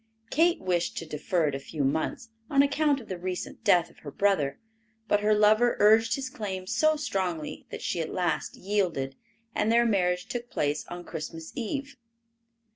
Kate wished to defer it a few months, on account of the recent death of her brother, but her lover urged his claim so strongly that she at last yielded, and their marriage took place on Christmas eve.